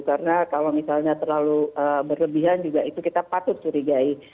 karena kalau misalnya terlalu berlebihan juga itu kita patut curigai